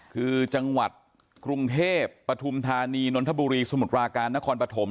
คือจังหวัดกรุงเทพปฐุมธานีนนทบุรีสมุทรปราการนครปฐม